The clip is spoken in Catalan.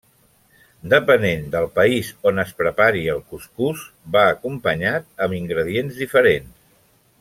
Depenent del país on es prepari el cuscús va acompanyat amb ingredients diferents.